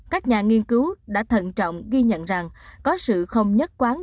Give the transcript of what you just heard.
các nhà nghiên cứu đã thận trọng ghi nhận rằng có sự không nhất quán